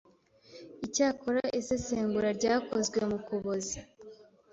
Icyakora isesengura ryakozwe mu Kuboza